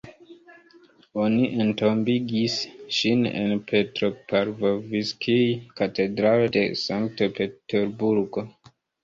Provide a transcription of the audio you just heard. Oni entombigis ŝin en Petropavlovskij-katedralo de Sankt Peterburgo.